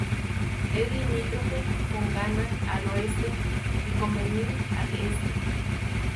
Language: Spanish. Es limítrofe con Ghana al oeste y con Benín al este.